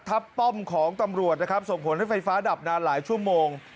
ป้อมของตำรวจนะครับส่งผลให้ไฟฟ้าดับนานหลายชั่วโมง